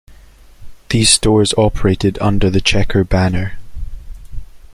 These stores operated under the Checker banner.